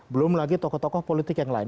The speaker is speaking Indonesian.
belum lagi tokoh tokoh politik yang lain